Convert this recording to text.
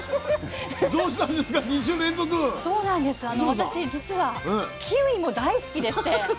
私じつはキウイも大好きでして。